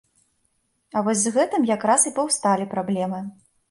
А вось з гэтым якраз і паўсталі праблемы.